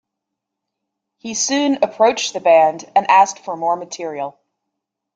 He soon approached the band and asked for more material.